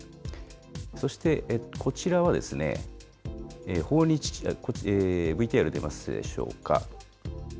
そして、こちらはですね、ＶＴＲ出ますでしょうか。